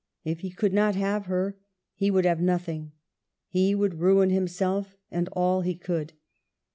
If he could not have her, he would have nothing. He would ruin himself and all he could.